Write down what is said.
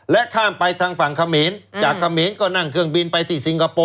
ข้ามไปทางฝั่งเขมรจากเขมรก็นั่งเครื่องบินไปที่สิงคโปร์